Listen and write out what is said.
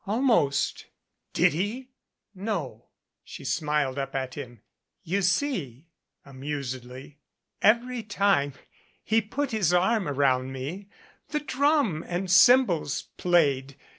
"Almost " "Did he?" "No." She smiled up at him. "You see," amusedly, "every time he put his arm around me the drum and cymbals played.